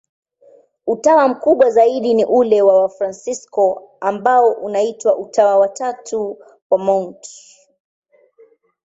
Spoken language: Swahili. Utawa mkubwa zaidi ni ule wa Wafransisko, ambao unaitwa Utawa wa Tatu wa Mt.